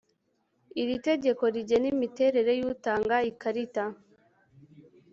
iri tegeko rigena imiterere y utanga ikarita